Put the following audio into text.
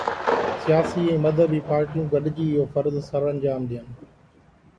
سياسي ۽ مذهبي پارٽيون گڏجي اهو فرض سرانجام ڏين.